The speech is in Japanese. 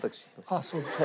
ああそうですか。